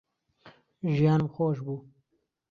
ژیانم خۆش بوو